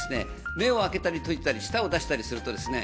目を開けたり閉じたり舌を出したりするとですね